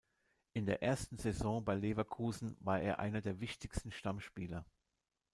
In der ersten Saison bei Leverkusen war er einer der wichtigsten Stammspieler.